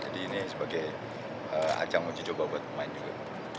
jadi ini sebagai ajang uji coba buat pemain juga